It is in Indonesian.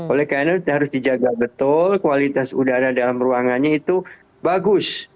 oleh karena itu harus dijaga betul kualitas udara dalam ruangannya itu bagus